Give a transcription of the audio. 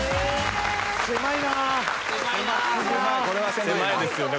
せまいですよね？